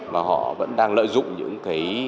và họ vẫn đang lợi dụng những cái